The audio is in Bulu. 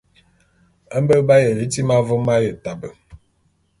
Mbé b'aye liti ma vôm m'ayiane tabe.